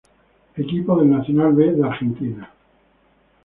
Equipo del Nacional B de Argentina